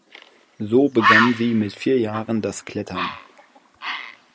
So begann sie mit vier Jahren das Klettern.